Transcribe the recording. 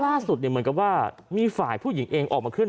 ล่าสุดเนี่ยเหมือนกับว่ามีฝ่ายผู้หญิงเองออกมาเคลื่อน